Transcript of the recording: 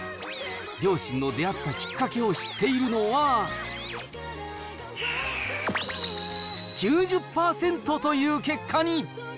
両親の出会ったきっかけを知っているのは、９０％という結果に。